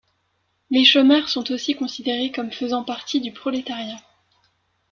Les chômeurs sont aussi considérés comme faisant partie du prolétariat.